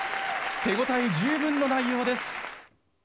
手応え十分の内容です。